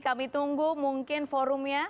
kami tunggu mungkin forumnya